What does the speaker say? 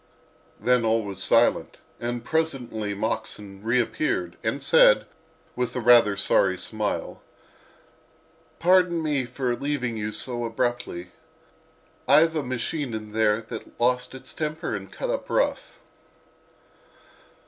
Then all was silent, and presently Moxon reappeared and said, with a rather sorry smile: "Pardon me for leaving you so abruptly. I have a machine in there that lost its temper and cut up rough."